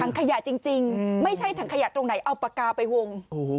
ขยะจริงไม่ใช่ถังขยะตรงไหนเอาปากกาไปวง